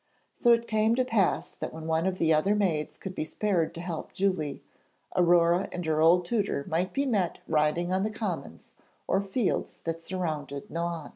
So it came to pass that when one of the other maids could be spared to help Julie, Aurore and her old tutor might be met riding on the commons or fields that surrounded Nohant.